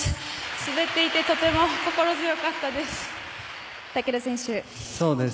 滑っていてとても心強かったです。